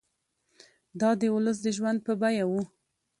دا د ولس د ژوند په بیه وو.